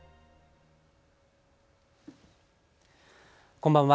こんばんは。